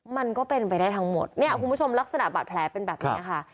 มันก็เป็นไปได้ทั้งหมดเนี่ยคุณผู้ชมลักษณะบาดแผลเป็นแบบนี้ค่ะ